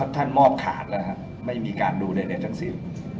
ท่านมอบขาดแล้วครับไม่มีการดูใดทั้งสิ้น